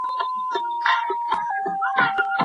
ولي مدام هڅاند د تکړه سړي په پرتله ډېر مخکي ځي؟